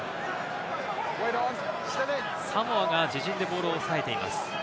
サモアが自陣でボールを押さえています。